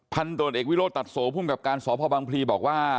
ตรวจเอกวิโรธตัดโสภูมิกับการสพบังพลีบอกว่า